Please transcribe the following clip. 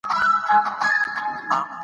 افغانستان د هوا د پلوه ځانته ځانګړتیا لري.